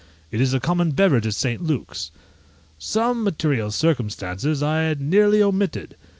It is a common beverage at St. Luke's. Some material circumstances I had nearly omitted.